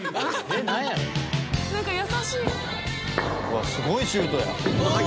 「うわっすごいシュートや」